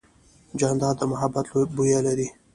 جانداد د محبت بویه لري.